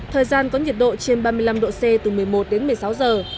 thời gian có nhiệt độ trên ba mươi năm độ c từ một mươi một đến một mươi sáu giờ